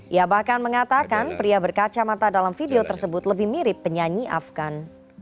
ia bahkan mengatakan pria berkacamata dalam video tersebut lebih mirip penyanyi afgan